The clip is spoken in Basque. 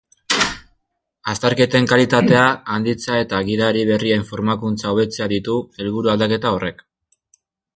Azterketen kalitatea handitzea eta gidari berrien formakuntza hobetzea ditu helburu aldaketa horrek.